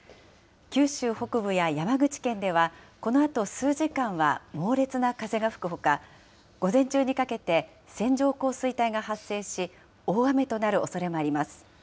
九州北部や山口県では、このあと数時間は猛烈な風が吹くほか、午前中にかけて、線状降水帯が発生し、大雨となるおそれもあります。